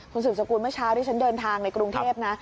คุณสืบสกุลเมื่อเช้าที่ฉันเดินทางในกรุงเทพนะ